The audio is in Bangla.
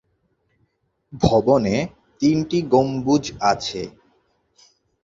ভবনে তিনটি গম্বুজ আছে।